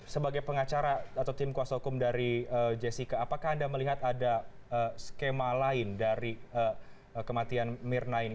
sebagai pengacara atau tim kuasa hukum dari jessica apakah anda melihat ada skema lain dari kematian mirna ini